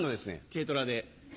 軽トラで？